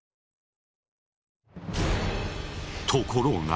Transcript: ところが。